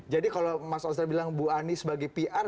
jadi kalau mas osdar bilang ibu ani sebagai pr